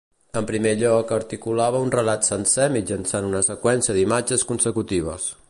En primer lloc, articulava un relat sencer mitjançant una seqüència d'imatges consecutives.